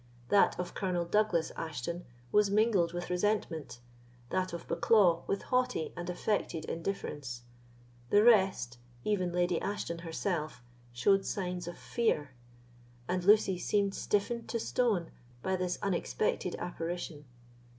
That of Colonel Douglas Ashton was mingled with resentment; that of Bucklaw with haughty and affected indifference; the rest, even Lady Ashton herself, showed signs of fear; and Lucy seemed stiffened to stone by this unexpected apparition.